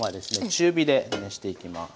中火で熱していきます。